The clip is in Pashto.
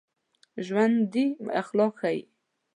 ژوندي اخلاق ښيي